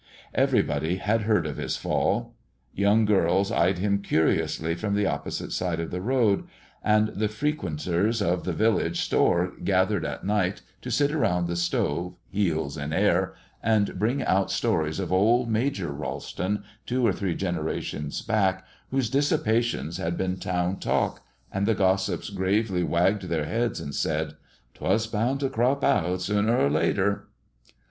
Everybody had heard of his fall. Young girls eyed him curiously from the opposite side of the road, and the frequenters of the village store gathered at night to sit around the stove, heels in air, and bring out stories of old Major Ralston, two or three generations back, whose dissipations had been town talk; and the gossips gravely wagged their heads and said: "'Twas bound to crop out sooner or later."